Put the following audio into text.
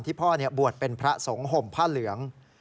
ที่พ่อบวชเป็นพระสงห่มพระเหลือง